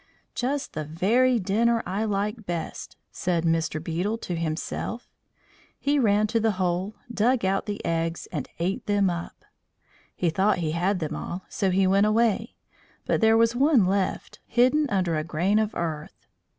"Just the very dinner I like best," said Mr. Beetle to himself; he ran to the hole, dug out the eggs, and ate them up. He thought he had them all, so he went away; but there was one left, hidden under a grain of earth.